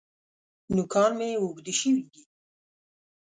نوکان مي اوږده شوي دي .